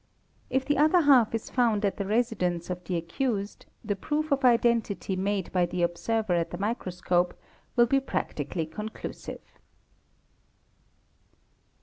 If the other half is found at the residence of the accused the proof of identity made — by the observer at the microscope will be practically conclusive.